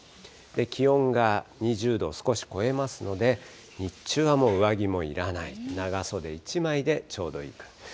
気温が２０度を少し超えますので、日中はもう上着もいらない、長袖１枚でちょうどいいくらい。